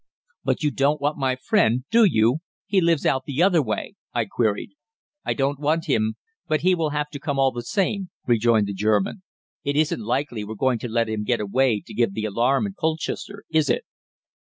"'But you don't want my friend, do you he lives out the other way?' I queried. "'I don't want him, but he will have to come all the same,' rejoined the German. 'It isn't likely we're going to let him get away to give the alarm in Colchester, is it?'